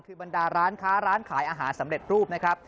คือบรรดาร้านค้าร้านขายอาหารสำเร็จรูปนะครับ